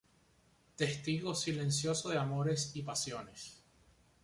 Testigo silencioso de amores y pasiones.